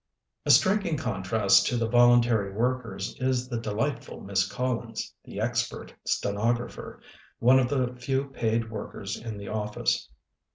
A striking contrast to the voluntary workers is the delightful Miss Collins, the expert stenographer, one of the few paid workers in the office.